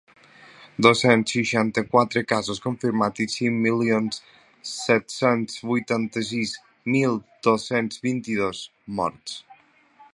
Dos-cents seixanta-quatre casos confirmats i cinc milions set-cents vuitanta-sis mil dos-cents vint-i-dos morts.